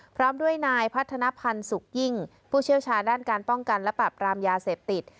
พร้อมด้วยนายพัฒนภัณฑ์สุขยิ่งผู้เชี่ยวชาญด้านการป้องกันและปรับรามยาเสพติด